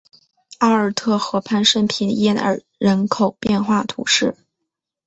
奥尔特河畔圣皮耶尔人口变化图示